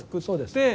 そうです。